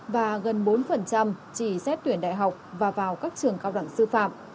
và gần bốn chỉ xét tuyển đại học và vào các trường cao đẳng sư phạm